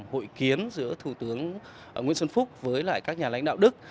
hội kiến giữa thủ tướng nguyễn xuân phúc với lại các nhà lãnh đạo đức